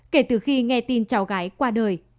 kể từ khi nghe tin cháu gái qua đời